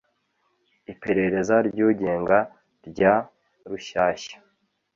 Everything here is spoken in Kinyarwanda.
Iperereza ryugenga rya Rushyashya